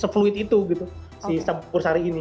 se fluid itu gitu si campur sari ini